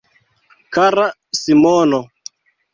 Kara Simono.